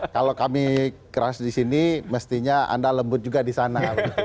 kalau kami keras disini mestinya anda lembut juga disana